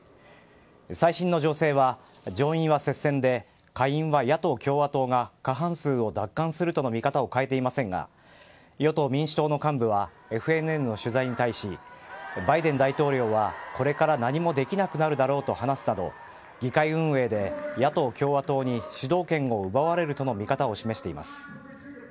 最新の情勢は、上院は接戦で下院は野党・共和党が過半数を奪還するとの見方を変えていませんが与党・民主党の幹部はＦＮＮの取材に対しバイデン大統領はこれから何もできなくなるだろうと話すなど議会運営で野党・共和党に主導権を奪われるとの見方を示しています。